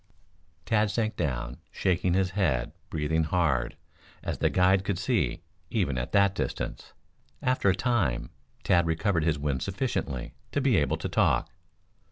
Tad sank down, shaking his head, breathing hard, as the guide could see, even at that distance. After a time Tad recovered his wind sufficiently to be able to talk.